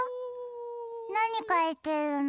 なにかいてるの？